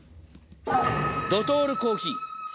ドトールコーヒー。